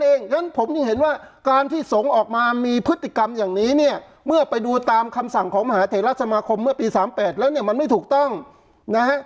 เพราะฉะนั้นผมยังเห็นว่าการที่สงฆ์ออกมามีพฤติกรรมอย่างนี้เนี่ยเมื่อไปดูตามคำสั่งของมหาเทราสมาคมเมื่อปี๓๘แล้วเนี่ยมันไม่ถูกต้องนะฮะ